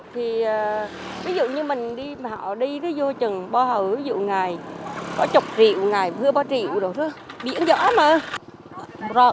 thì ví dụ như mình đi họ đi nó vô chừng bò hở ví dụ ngày có chục triệu ngày vừa ba triệu đồ thôi biển gió mà